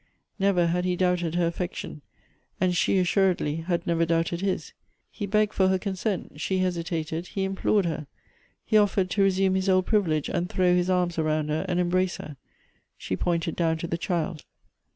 Never had he doubted her affection, and she assuredly had never doubted his. He begged for her consent ; slie hesitated ; he implored her. He offered to resume his old privilege, and throw his arms around her, and embrace her ; she pointed down to the child.